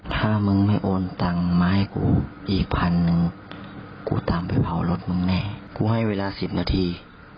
ถ้ามึงไม่โอนตังค์มาให้กูอีกพันหนึ่งกูตามไปเผารถมึงแน่กูให้เวลาสิบนาที